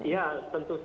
ya tentu saja